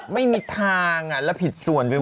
ไม่มีทางแล้วผิดส่วนไปหมด